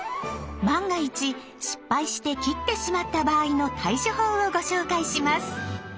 万が一失敗して切ってしまった場合の対処法をご紹介します。